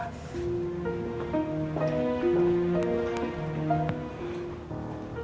terima kasih pak